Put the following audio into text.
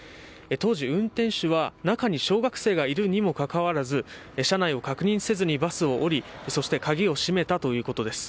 当時、運転手は中に小学生がいるにもかかわらず車内を確認せずにバスを降りそして鍵を閉めたということです。